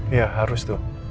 iya harus tuh